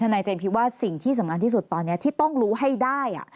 นายเจมส์คิดว่าสิ่งที่สำคัญที่สุดตอนนี้ที่ต้องรู้ให้ได้